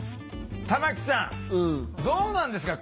玉木さんどうなんですか？